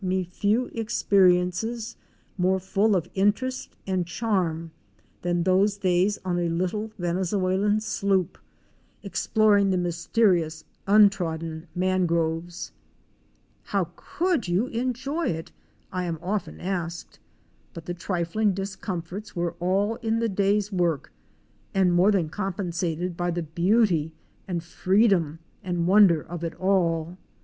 49. LoapInc PircH ON THE HAND Cars. few experiences more full of interest and charm than those days on a little Venezuelan sloop exploring the mysterious untrodden mangroves! 'How could you enjoy it?"? I am often asked: but the trifling discomforts were all in the day's work and more than compensated by the beauty and free dom and wonder of it all.